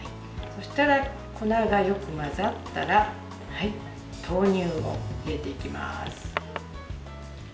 粉がよく混ざったら豆乳を入れていきます。